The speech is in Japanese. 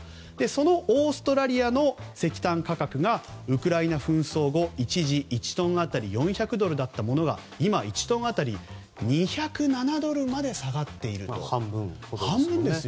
そのオーストラリアの石炭価格がウクライナ紛争後一時、１トン当たり４００ドルだったのが今、１トン当たり２０７ドルまで下がっているわけです。